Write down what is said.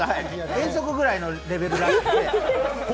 遠足ぐらいのレベルらしくて。